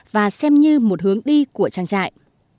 và xem như một hướng đi của trang trại